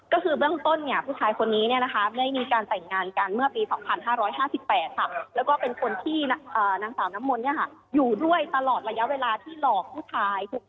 ก็คือเบื้องต้นเนี่ยผู้ชายคนนี้ได้มีการแต่งงานกันเมื่อปี๒๕๕๘ค่ะแล้วก็เป็นคนที่นางสาวน้ำมนต์อยู่ด้วยตลอดระยะเวลาที่หลอกผู้ชาย